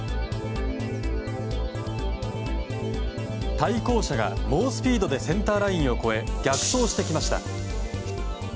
対向車が猛スピードでセンターラインを越え逆走してきました。